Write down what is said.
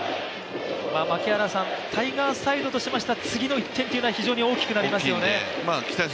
タイガースサイドとしましては次の１点というのは非常に大きくなりますよね。